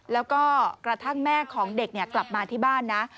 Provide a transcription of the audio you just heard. แล้วก็กระทั่งแม่ของเด็กกลับมาที่บ้านนะ